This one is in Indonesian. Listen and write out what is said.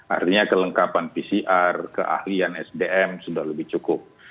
artinya kelengkapan pcr keahlian sdm sudah lebih cukup